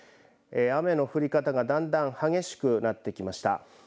雨の降り方がだんだん激しくなってきました。